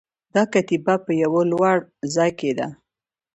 دا کتیبه په یوه لوړ ځای کې ده